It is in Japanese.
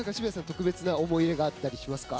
特別な思い入れがあったりしますか？